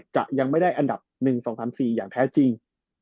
จะยังไม่ได้อันดับ๑๒๓๔อย่างแท้จริง